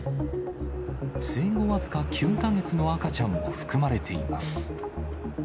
生後僅か９か月の赤ちゃんも含まれています。